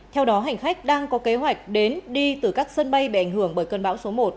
theo đó hành khách đang có kế hoạch đến đi từ các sân bay bị ảnh hưởng bởi cơn bão số một